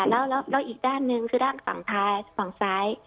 อ่าแล้วแล้วแล้วอีกด้านหนึ่งคือด้านฝั่งท้ายฝั่งซ้าย